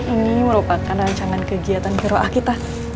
ini merupakan rancangan kegiatan jemaah kita